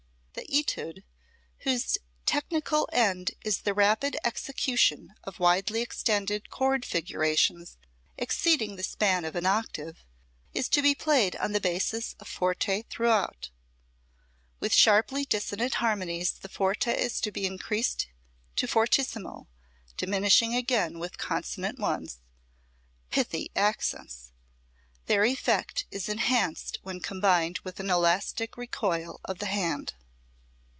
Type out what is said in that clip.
The etude whose technical end is the rapid execution of widely extended chord figurations exceeding the span of an octave is to be played on the basis of forte throughout. With sharply dissonant harmonies the forte is to be increased to fortissimo, diminishing again with consonant ones. Pithy accents! Their effect is enhanced when combined with an elastic recoil of the hand."